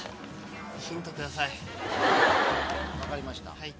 分かりました。